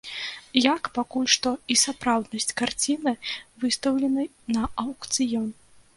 Як, пакуль што, і сапраўднасць карціны, выстаўленай на аўкцыён.